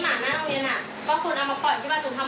อ๋อแต่เราเห็นเหมือนทุกวันใช่ไหม